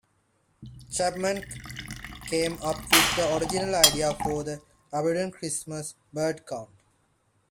Chapman came up with the original idea for the Audubon Christmas Bird Count.